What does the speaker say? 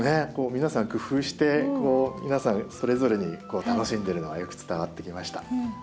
皆さん工夫して皆さんそれぞれに楽しんでるのがよく伝わってきました。